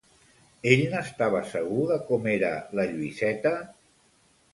Ell n'estava segur de com era la Lluïseta?